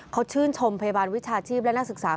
เขาชื่นชมพยาบาลวิชาชีพและนักศึกษา